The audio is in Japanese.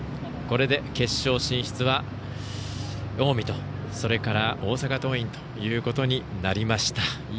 これで決勝進出は、近江とそれから大阪桐蔭ということになりました。